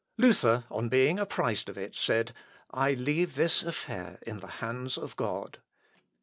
Luther on being apprised of it said, "I leave this affair in the hands of God."